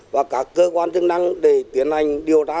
và các cơ quan tương năng để tiến hành điều tra làm rõ